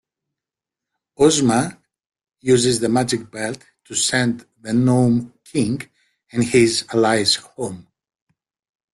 Ozma uses the magic belt to send the Nome King and his allies home.